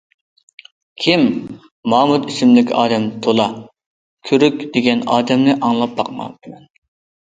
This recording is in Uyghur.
- كىم؟ مامۇت ئىسىملىك ئادەم تولا، كۈرۈك دېگەن ئادەمنى ئاڭلاپ باقماپتىمەن.